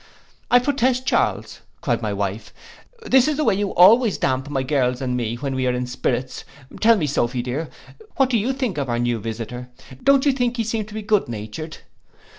'I protest, Charles,' cried my wife, 'this is the way you always damp my girls and me when we are in Spirits. Tell me, Sophy, my dear, what do you think of our new visitor? Don't you think he seemed to be good natured?